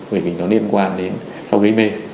bởi vì nó liên quan đến sau gây mê